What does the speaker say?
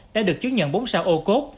đã được chứng nhận bốn sao ô cốt